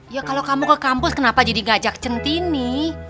ya kalo kamu ke kampus kenapa jadi ngajak centini